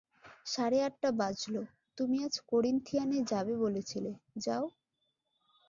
সাড়ে আটটা বাজল, তুমি আজ কোরিন্থিয়ানে যাবে বলেছিলে, যাও।